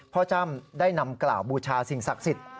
จ้ำได้นำกล่าวบูชาสิ่งศักดิ์สิทธิ์